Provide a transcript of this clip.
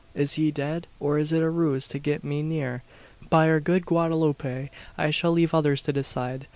Is he dead, or is it a ruse to get me near? By our good Guadaloupe! I shall leave others to decide.